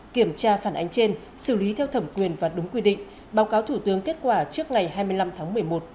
kiểm tra phản ánh trên xử lý theo thẩm quyền và đúng quy định báo cáo thủ tướng kết quả trước ngày hai mươi năm tháng một mươi một